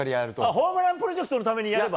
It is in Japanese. ホームランプロジェクトのためにやれば？